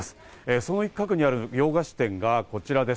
その一角にある洋菓子店がこちらです。